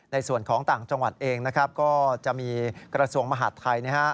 ในส่วนของต่างจังหวัดเองนะครับก็จะมีกระทรวงมหาดไทย